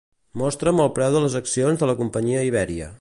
Mostra'm el preu de les accions de la companyia Iberia.